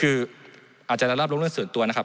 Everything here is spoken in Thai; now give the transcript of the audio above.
อาจจะระลลงเรื่องส่วนตัวนะครับ